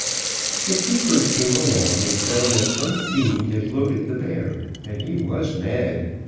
The keeper came along and found that some fiend had loaded the bear, and he was mad.